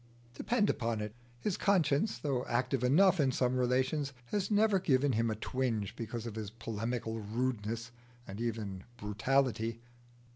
Depend upon it, his conscience, though active enough in some relations, has never given him a twinge because of his polemical rudeness and even brutality.